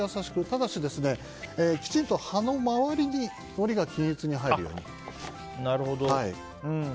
ただし、きちんと葉の周りにのりが均一に入るように。